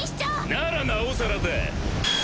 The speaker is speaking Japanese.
ならなおさらだ。